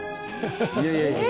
いやいやいやいや。